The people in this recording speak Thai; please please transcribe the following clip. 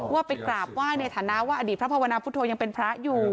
ว่าไปกราบไหว้ในฐานะว่าอดีตพระภาวนาพุทธยังเป็นพระอยู่